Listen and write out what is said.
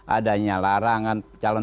adanya larangan calon